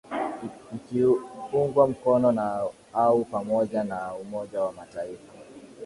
ikiungwa mkono na au pamoja na umoja wa mataifa